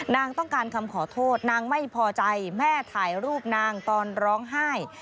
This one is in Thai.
ต้องการคำขอโทษนางไม่พอใจแม่ถ่ายรูปนางตอนร้องไห้